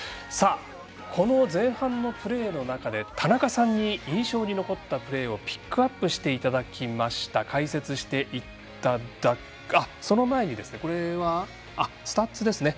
この前半のプレーの中で田中さんに印象に残ったプレーをピックアップしていただきましたがその前に、スタッツですね。